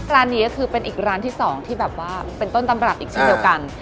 ร้านนี้ก็คือเป็นอีกร้านที่๒ที่แบบว่าเป็นต้นตำรับอีกเช่นเดียวกัน